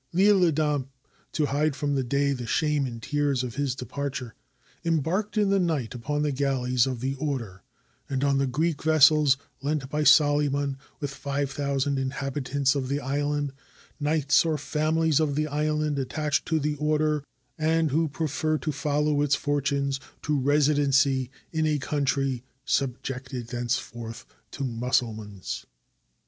L'lle Adam, to hide from day the shame and tears of his departure, embarked in the night upon the galleys of the order, and on the Greek vessels lent by Solyman, with five thousand inhabitants of the island, knights or families of the island attached to the order, and who pre ferred to follow its fortunes, to residence in a country subjected thenceforth to the Mussulmans.